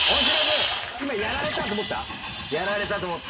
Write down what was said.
今やられた！と思った？